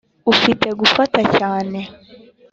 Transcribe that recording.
ufite gufata cyane,